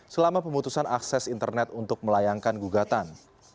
selama pemutusan akses internet untuk melayangkan gugatan